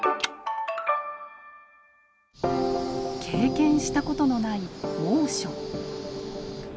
経験したことのない猛暑。